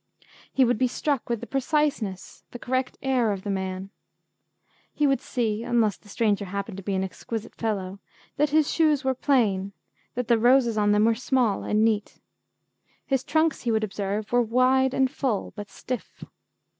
He would be struck with the preciseness, the correct air of the man. He would see, unless the stranger happened to be an exquisite fellow, that his shoes were plain, that the 'roses' on them were small and neat. His trunks, he would observe, were wide and full, but stiff.